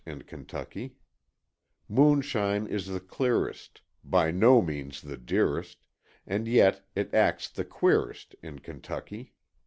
In Kentucky; Moonshine is the clearest, By no means the dearest, And yet, it acts the queerest In Kentucky.